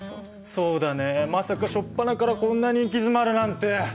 そうだねまさか初っぱなからこんなに行き詰まるなんて。